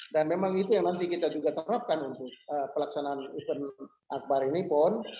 dan memang itu yang nanti kita juga terapkan untuk pelaksanaan event akbar ini pun